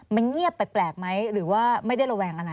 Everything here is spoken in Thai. มันเงียบแปลกไหมหรือว่าไม่ได้ระแวงอะไร